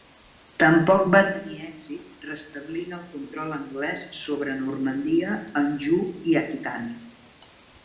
Tampoc va tenir èxit restablint el control anglès sobre Normandia, Anjou i Aquitània.